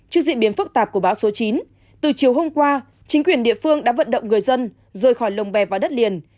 trước diễn biến phức tạp của bão số chín từ chiều hôm qua chính quyền địa phương đã vận động người dân rời khỏi lồng bè vào đất liền